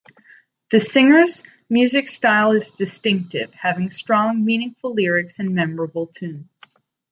The singer's music style is distinctive, having strong meaningful lyrics and memorable tunes.